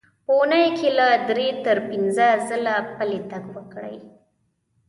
په اوونۍ کې له درې تر پنځه ځله پلی تګ وکړئ.